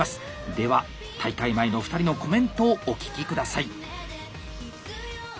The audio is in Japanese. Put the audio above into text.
では大会前の２人のコメントをお聞きください。